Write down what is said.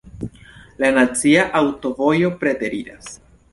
La nacia aŭtovojo preteriras.